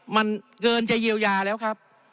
มันเกินจะเยียวยาแล้วครับ